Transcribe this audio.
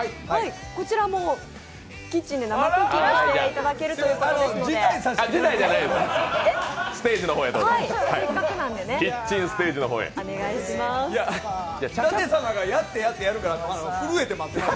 こちらもキッチンで生クッキングしていただけるということで。